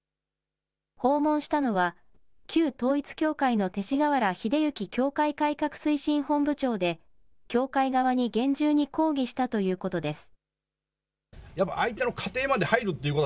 訪問したのは、旧統一教会の勅使河原秀行教会改革推進本部長で、教会側に厳重に抗議したということです。